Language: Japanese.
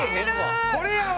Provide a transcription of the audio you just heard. これやわ。